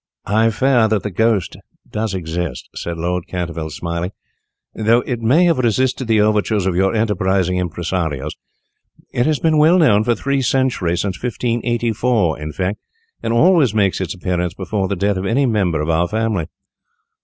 "I fear that the ghost exists," said Lord Canterville, smiling, "though it may have resisted the overtures of your enterprising impresarios. It has been well known for three centuries, since 1584 in fact, and always makes its appearance before the death of any member of our family."